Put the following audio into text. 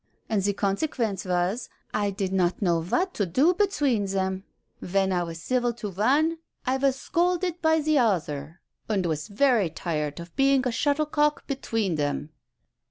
And de consequence was, I did not know what to do between them; when I was civil to one, I was scolded by the other, and was very tired of being shuttlecock between them."